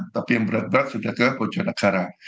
tapi yang berat berat sudah ke bojonegara